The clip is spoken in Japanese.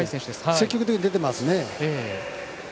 積極的に出ていますね。